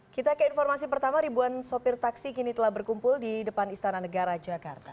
kita ke informasi pertama ribuan sopir taksi kini telah berkumpul di depan istana negara jakarta